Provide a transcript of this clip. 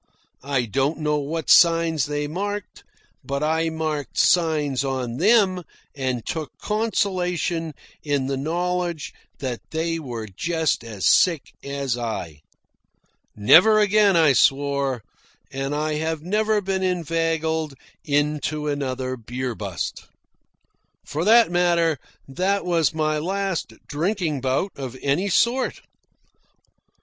I don't know what signs they marked, but I marked signs on them and took consolation in the knowledge that they were just as sick as I. Never again, I swore. And I have never been inveigled into another beer bust. For that matter, that was my last drinking bout of any sort.